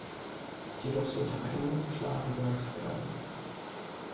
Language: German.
Jedoch sollte eines klar gesagt werden.